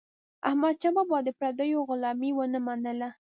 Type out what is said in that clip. احمدشاه بابا د پردیو غلامي ونه منله.